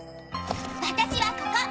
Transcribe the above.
私はここ。